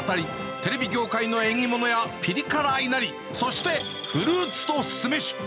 テレビ業界の縁起物やぴり辛いなり、そしてフルーツと酢飯。